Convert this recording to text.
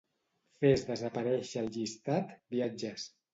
Fes desaparèixer el llistat "viatges".